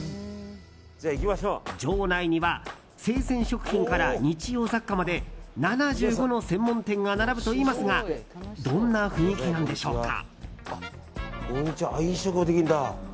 場内には生鮮食品から日用雑貨まで７５の専門店が並ぶといいますがどんな雰囲気なんでしょうか。